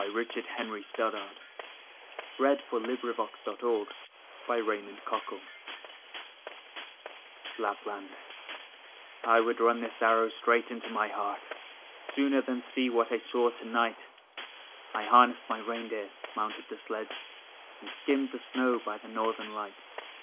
Richard Henry Stoddard The Sledge at the Gate Lapland I WOULD run this arrow straight into my heart Sooner than see what I saw to night. I harnessed my rein deer, mounted the sledge, And skimmed the snow by the northern light.